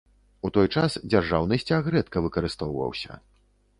У той час дзяржаўны сцяг рэдка выкарыстоўваўся.